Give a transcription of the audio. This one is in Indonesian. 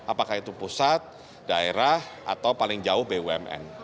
apakah itu pusat daerah atau paling jauh bumn